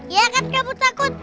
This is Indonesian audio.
ya kan kamu takut